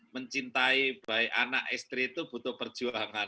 mencintai anak istri itu butuh perjuangan